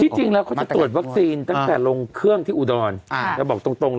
ที่จริงแล้วเขาจะตรวจวัคซีนตั้งแต่ลงเครื่องที่อุดรณ์